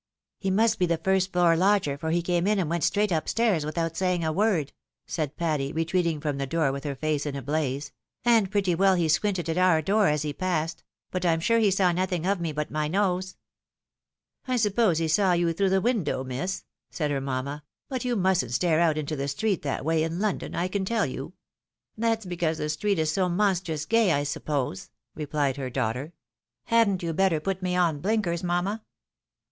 " He must be the first floor lodger, for he came in and went straight up stairs without saying a word," said Patty, retreating from the door with her face in a blaze ;" and pretty well he squinted at our door as he passed ; but I'm sure he saw nothing of me but my nose." " I suppose he saw you through the window, miss," said her mamma ;" but you mustn't stare out into the street that way in London, I can tell you." " That's because the street is so monstrous gay, I suppose," replied her daughter. " Hadn't you better put me on blinkers, mamma ?